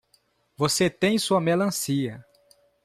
Você tem sua melancia.